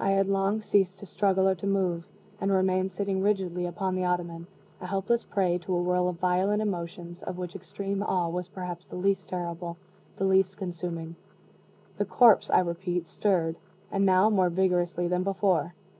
I had long ceased to struggle or to move, and remained sitting rigidly upon the ottoman, a helpless prey to a whirl of violent emotions, of which extreme awe was perhaps the least terrible, the least consuming. The corpse, I repeat, stirred, and now more vigorously than before.